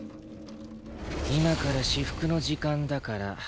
今から至福の時間だから。